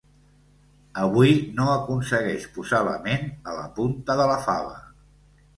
Avui no aconsegueix posar la ment a la punta de la fava.